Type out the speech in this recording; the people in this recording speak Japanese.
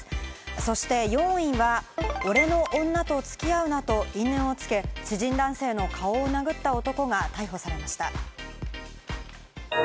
そして４位は、俺の女と付き合うなと因縁をつけ、知人男性の顔を殴った男が逮捕されました。